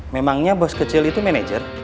memangnya bos kecil itu manajer